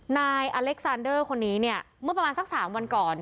นายอเล็กซานเดอร์คนนี้เนี่ยเมื่อประมาณสัก๓วันก่อน